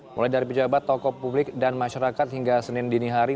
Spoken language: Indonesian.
mulai dari pejabat tokoh publik dan masyarakat hingga senin dini hari